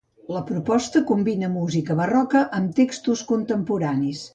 La proposta combina música barroca amb textos contemporanis.